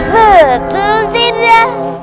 betul sih dia